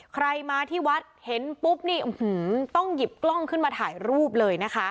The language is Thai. ใครมาที่วัดเห็นปุ๊บนี่ต้องหยิบกล้องขึ้นมาถ่ายรูปเลยนะคะ